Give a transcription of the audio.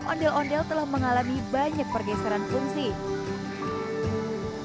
ondel ondel telah mengalami banyak pergeseran fungsi